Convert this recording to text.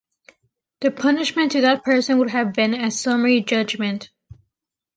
The punishment to that person would have been a summary judgment.